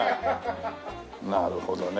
なるほどね。